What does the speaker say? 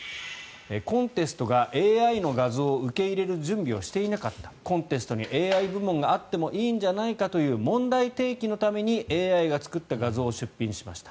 コンテストがＡＩの画像を受け入れる準備をしていなかったコンテストにＡＩ部門があってもいいんじゃないかという問題提起のためにＡＩが作った画像を出品しました。